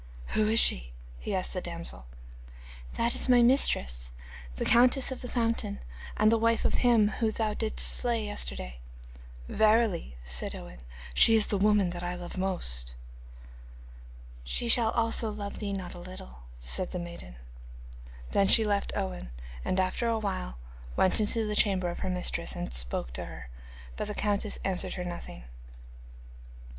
'Who is she?' he asked the damsel. 'That is my mistress, the countess of the fountain, and the wife of him whom thou didst slay yesterday.' 'Verily,' said Owen, 'she is the woman that I love best.' 'She shall also love thee not a little,' said the maiden. Then she left Owen, and after a while went into the chamber of her mistress, and spoke to her, but the countess answered her nothing.